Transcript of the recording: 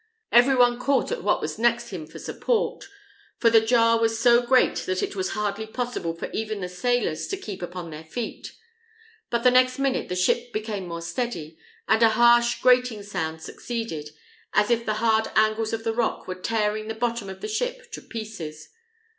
Every one caught at what was next him for support; for the jar was so great that it was hardly possible for even the sailors to keep upon their feet. But the next minute the ship became more steady, and a harsh grating sound succeeded, as if the hard angles of the rock were tearing the bottom of the ship to pieces.